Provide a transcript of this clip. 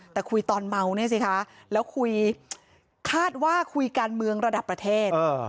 แต่คุยตอนเมาเนี่ยสิคะแล้วคุยคาดว่าคุยการเมืองระดับประเทศ